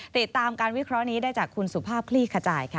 ติดตามการวิเคราะห์นี้ได้จากคุณสุภาพคลี่ขจายค่ะ